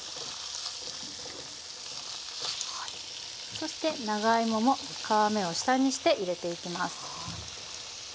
そして長芋も皮目を下にして入れていきます。